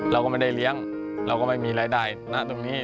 เราก็ไม่ได้เลี้ยงเราก็ไม่มีรายได้ณตรงนี้